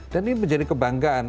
dan ini menjadi kebanggaan